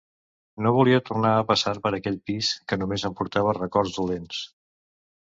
No volia tornar a passar per aquell pis que només em portava records dolents.